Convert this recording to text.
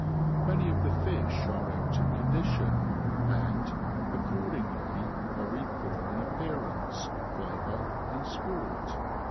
Many of the fish are out of condi tion, and, accordingly, very poor in appearance, flavour, and sport.